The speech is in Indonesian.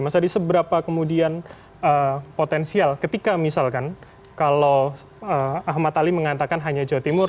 mas adi seberapa kemudian potensial ketika misalkan kalau ahmad ali mengatakan hanya jawa timur